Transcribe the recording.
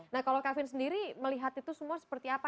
nah kalau kevin sendiri melihat itu semua seperti apa